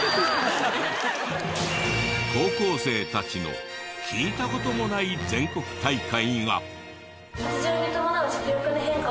高校生たちの聞いた事もない全国大会が。